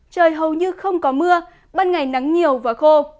trời hầu như không có mưa ban ngày nắng nhiều và khô